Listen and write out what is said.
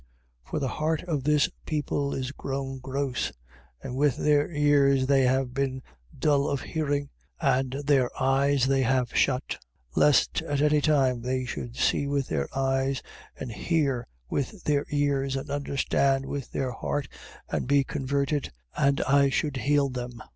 13:15. For the heart of this people is grown gross, and with their ears they have been dull of hearing, and their eyes they have shut: lest at any time they should see with their eyes, and hear with their ears, and understand with their heart, and be converted, and I should heal them.